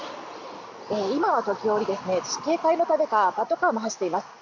今は時折、警戒のためかパトカーも走っています。